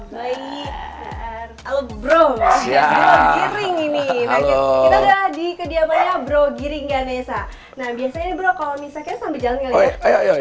bro bro giring ini di kediamannya bro giring ganesha nah biasanya kalau misalnya